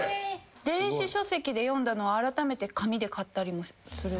電子書籍で読んだのをあらためて紙で買ったりもする。